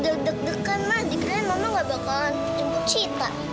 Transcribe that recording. ma sita udah deg degan ma di kerja mama gak bakalan sebut sita